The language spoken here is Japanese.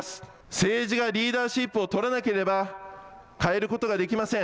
政治がリーダーシップをとらなければ変えることはできません。